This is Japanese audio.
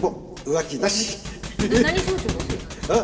何焼酎がお好きなんですか？